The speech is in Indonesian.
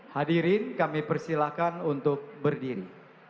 hadirin kami persilahkan untuk berdiri